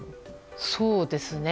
そうですね。